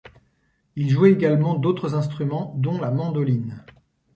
Il jouait également d'autres instruments dont la mandoline.